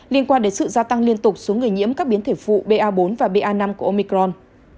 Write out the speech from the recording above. liên quan đến sự gia tăng liên tục số người nhiễm các biến thể phụ ba bốn và ba năm của omicron